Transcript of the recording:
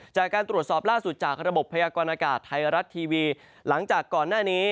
จากการตรวจสอบล่าสุดจากระบบพยากรณากาศไทยรัฐทีวีหลังจากก่อนหน้านี้